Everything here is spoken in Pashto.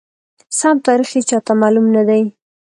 سم تاریخ یې چاته معلوم ندی،